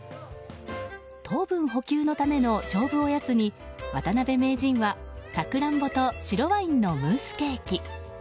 糖分補給のための勝負おやつに渡辺名人はサクランボと白ワインのムースケーキ。